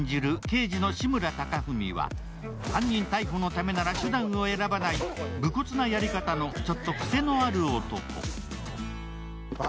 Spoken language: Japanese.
刑事の志村貴文は、犯人逮捕のためなら手段を選ばない武骨なやり方の、ちょっとクセのある男。